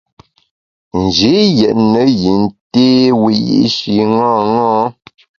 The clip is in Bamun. Nji yètne yin té wiyi’shi ṅaṅâ.